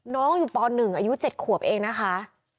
น้องอยู่ปหนึ่งอายุเจ็ดขวบเองนะคะ